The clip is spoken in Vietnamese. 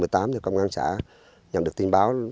thì công an xã nhận được tin báo